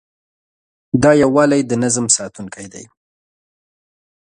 دا یووالی د نظم ساتونکی دی.